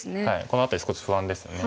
この辺り少し不安ですよね。